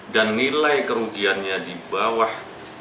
dan nilai kerugiannya di bawah